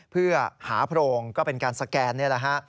เพื่อหาโพรงก็เป็นการสแกนนี่แหละฮะ